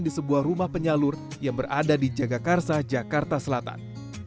di sebuah rumah penyalur yang berada di jagakarsa jakarta selatan